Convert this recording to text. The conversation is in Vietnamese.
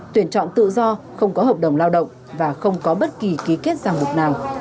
tuyển chọn tự do không có hợp đồng lao động và không có bất kỳ ký kết giang mục nào